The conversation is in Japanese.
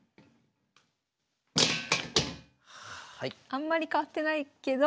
あんまり変わってないけど。